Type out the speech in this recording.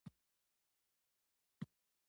خوبان پر رقیبانو بد لګيږي.